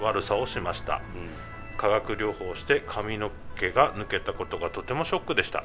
化学療法をして髪の毛が抜けたことがとてもショックでした。